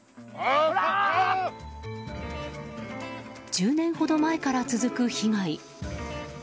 １０年ほど前から続く被害。